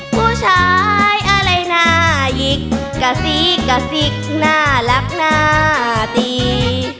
ผู้ชายอะไรน่ายิกกระซีกะสิกน่ารักหน้าตี